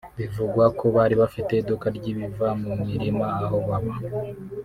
Bivugwa ko bari bafite iduka ry’ibiva mu mirima aho baba